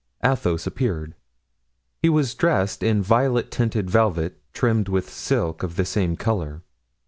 Athos appeared. He was dressed in violet tinted velvet, trimmed with silk of the same color.